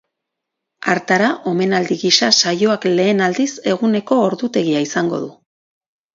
Hartara, omenaldi gisa saioak lehen aldiz eguneko ordutegia izango du.